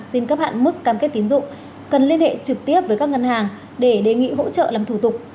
xin cấp hạn mức cam kết tiến dụng cần liên hệ trực tiếp với các ngân hàng để đề nghị hỗ trợ làm thủ tục